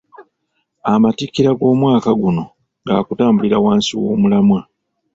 Amatikkira g’omwaka guno gaakutambulira wansi w’omulamwa.